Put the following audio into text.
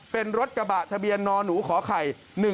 เป็นรถกระบะทะเบียนนหนูขอไข่๑๔